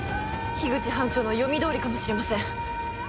口班長の読み通りかもしれません。